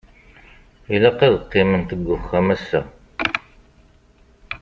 Ilaq ad qqiment g uxxam ass-a?